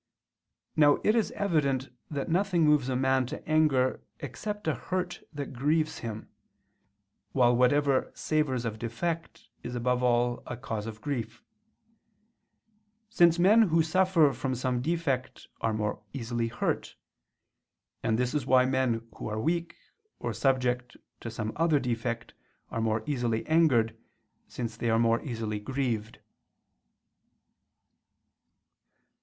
Now it is evident that nothing moves a man to anger except a hurt that grieves him: while whatever savors of defect is above all a cause of grief; since men who suffer from some defect are more easily hurt. And this is why men who are weak, or subject to some other defect, are more easily angered, since they are more easily grieved.